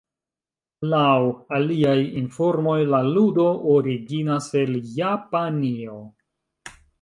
Laŭ aliaj informoj la ludo originas el Japanio.